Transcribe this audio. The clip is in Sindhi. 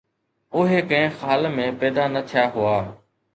اهي ڪنهن خال ۾ پيدا نه ٿيا هئا.